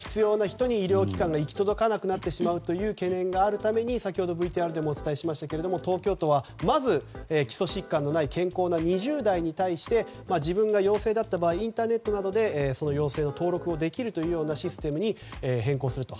本当に治療が必要な人に医療機関が行き届かなくなってしまう懸念があるために先ほどＶＴＲでもお伝えしましたが東京都はまず、基礎疾患のない健康な２０代に対して自分が陽性だった場合インターネットなどで陽性の登録をできるシステムに変更すると。